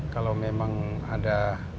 kalau memang ada